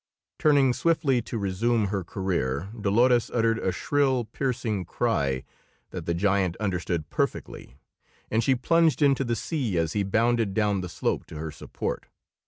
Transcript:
Turning swiftly to resume her career, Dolores uttered a shrill, piercing cry that the giant understood perfectly, and she plunged into the sea as he bounded down the slope to her support.